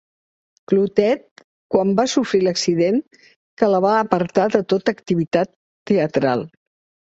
Clotet quan va sofrir l'accident que la va apartar de tota activitat teatral.